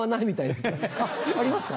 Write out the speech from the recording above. あっありますか？